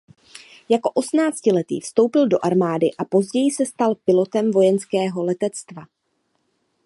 Jako osmnáctiletý vstoupil do armády a později se stal pilotem vojenského letectva.